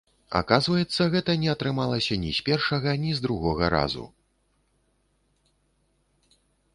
Аказваецца, гэта не атрымалася ні з першага, ні з другога разу!